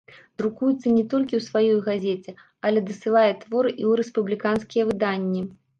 Друкуецца не толькі ў сваёй газеце, але дасылае творы і ў рэспубліканскія выданні.